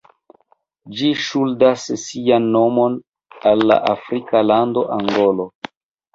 Ĝi ŝuldas sian nomon al la afrika lando Angolo.